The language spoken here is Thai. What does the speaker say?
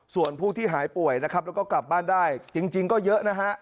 ส่วนผู้ที่หายป่วยนะครับแล้วก็กลับบ้านได้จริงก็เยอะนะฮะ